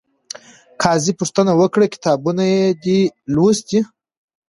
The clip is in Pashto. قاضي پوښتنه وکړه، کتابونه یې دې لوستي؟